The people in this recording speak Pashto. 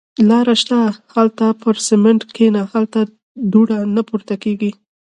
– لاړه شه. هالته پر سمڼت کېنه. هلته دوړه نه پورته کېږي.